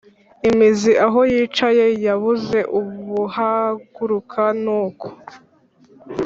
imizi aho yicaye, yabuze ubuhaguruka nuko